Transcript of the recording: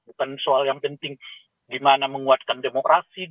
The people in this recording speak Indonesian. bukan soal yang penting gimana menguatkan demokrasi